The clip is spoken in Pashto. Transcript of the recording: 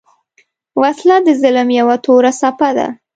وسله د ظلم یو توره څپه ده